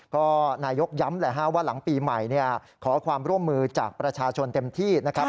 ก็นายกย้ำแหละฮะว่าหลังปีใหม่ขอความร่วมมือจากประชาชนเต็มที่นะครับ